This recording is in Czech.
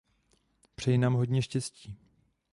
Přeji nám hodně štěstí.